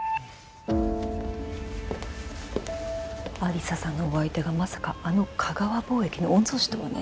有沙さんのお相手がまさかあのカガワ貿易の御曹司とはね。